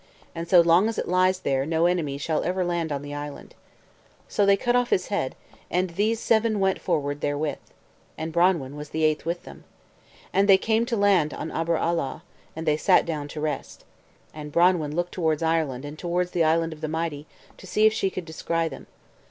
And so long as it lies there, no enemy shall ever land on the island." So they cut off his head, and these seven went forward therewith. And Branwen was the eighth with them. And they came to land on Aber Alaw, and they sat down to rest. And Branwen looked towards Ireland, and towards the Island of the Mighty, to see if she could descry them.